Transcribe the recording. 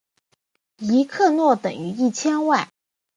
一克若等于一千万。